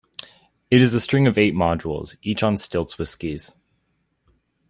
It is a string of eight modules, each on stilts with skis.